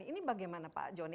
ini bagaimana pak jonny